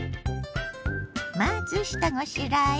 まず下ごしらえ。